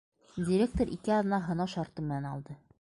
Директор ике аҙна һынау шарты менән алды.